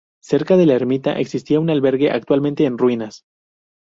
Cerca de la ermita existía un albergue, actualmente en ruinas.